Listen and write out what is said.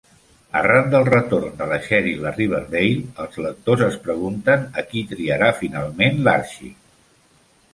Arran del retorn de la Cheryl a Riverdale, els lectors es pregunten a qui triarà finalment l'Archie.